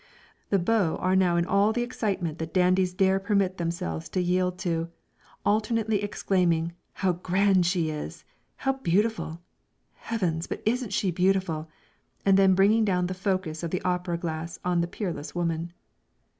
The beaux are now in all the excitement that dandies dare permit themselves to yield to, alternately exclaiming, "how grand she is! how beautiful! heavens, but isn't she beautiful!" and then bringing down the focus of the opera glass on the peerless woman.